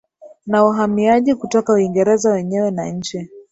na wahamiaji kutoka Uingereza wenyewe na nchi